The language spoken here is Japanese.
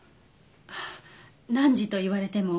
あっ何時と言われても。